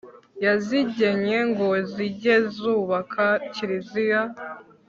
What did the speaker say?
yazigennye, ngo zijye zubaka kiliziya